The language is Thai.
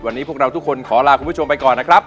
วันนี้พวกเราทุกคนขอลาคุณผู้ชมไปก่อนนะครับ